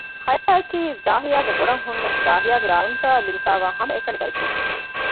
ހަޔާ އަކީ ޒާހިޔާގެ ބޮޑަށް ހުންނަ ޒާހިޔާގެ ދޮންތަ އަށް ލިބިފައިވާ ހަމަ އެކަނި ދަރިފުޅު